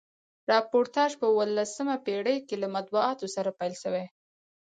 راپورتاژپه اوولسمه پیړۍ کښي له مطبوعاتو سره پیل سوی.